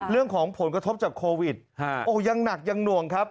เรื่องของผลกระทบจากโควิดโอ้ยังหนักยังหน่วงครับ